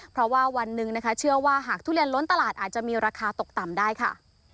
เพราะว่าวันหนึ่งนะคะเชื่อว่าหากทุเรียนล้นตลาดอาจจะมีราคาตกต่ำได้ค่ะ